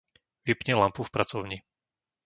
Vypni lampu v pracovni.